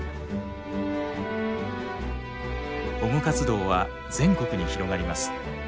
保護活動は全国に広がります。